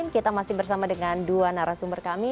kita masih bersama dengan dua narasumber kami